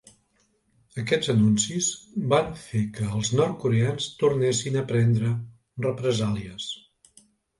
Aquests anuncis van fer que els nord-coreans tornessin a prendre represàlies.